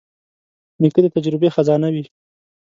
نیکه د تجربې خزانه وي.